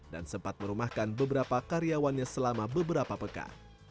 dan sempat merumahkan beberapa karyawannya selama beberapa pekan